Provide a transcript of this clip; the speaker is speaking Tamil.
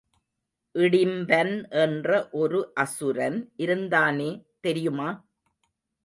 இடிம்பன் என்ற ஒரு அசுரன் இருந்தானே தெரியுமா?